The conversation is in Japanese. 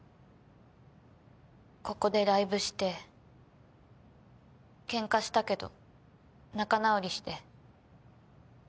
ここでライブしてケンカしたけど仲直りして。